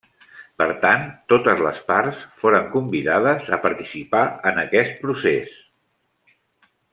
Per tant, totes les parts foren convidades a participar en aquest procés.